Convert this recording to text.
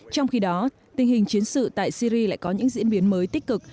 trong khi đó tình hình chiến sự tại syri lại có những diễn biến mới tích cực